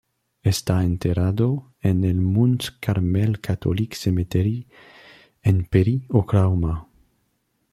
Está enterrado en el Mount Carmel Catholic Cemetery en Perry, Oklahoma.